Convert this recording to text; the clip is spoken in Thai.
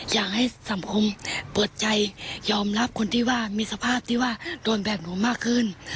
อยากให้สังคมเปิดใจยอมรับคนที่ว่ามีสภาพที่ว่าโดนแบบหนูมากขึ้น